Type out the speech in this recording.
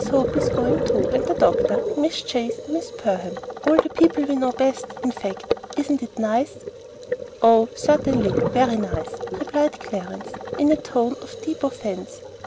Hope is going too, and the doctor, and Miss Chase and Miss Perham, all the people we know best, in fact. Isn't it nice?" "Oh, certainly; very nice," replied Clarence, in a tone of deep offence.